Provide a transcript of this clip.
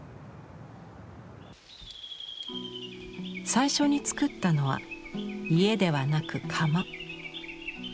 最初につくったのは家ではなく窯。